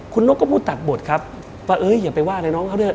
คุณนกก็พูดตัดบทครับว่าเอ้ยอย่าไปว่าอะไรน้องเขาด้วย